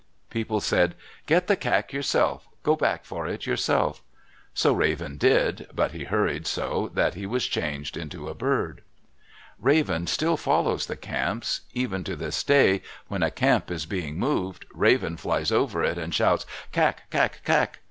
People said, "Get the kak yourself. Go back for it yourself." So Raven did, but he hurried so that he was changed into a bird. Raven still follows the camps. Even to this day when a camp is being moved, Raven flies over it and shouts, "Kak, kak, kak!"